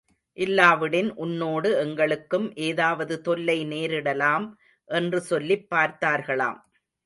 இல்லாவிடின் உன்னோடு எங்களுக்கும் ஏதாவது தொல்லை நேரிடலாம், என்று சொல்லிப் பார்த்தார்களாம்.